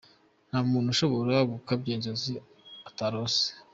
Nta muntu ushobora gukabya inzozi atarose.